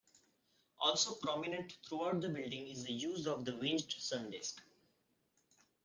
Also prominent throughout the building is the use of the Winged sun disk.